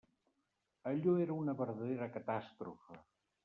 Allò era una verdadera catàstrofe!